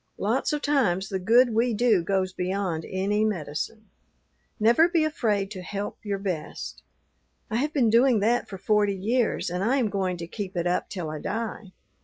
Lots of times the good we do goes beyond any medicine. Never be afraid to help your best. I have been doing that for forty years and I am going to keep it up till I die."